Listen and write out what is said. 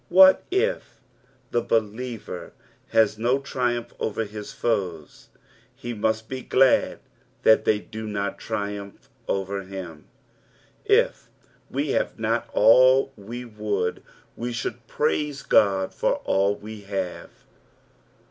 What if the believer has no triumph over his ft>e8, he must be gl&d that they do not triumph over him. If we have not all we would wo should praise Ood for all we have.